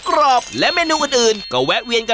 พริกแค่นี้ค่ะพริกแค่นี้ค่ะพริกแค่นี้ค่ะ